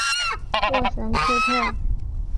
沃什库特。